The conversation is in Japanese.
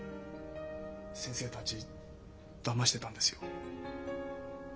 先生たちだましてたんですよ。